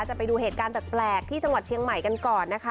จะไปดูเหตุการณ์แปลกที่จังหวัดเชียงใหม่กันก่อนนะคะ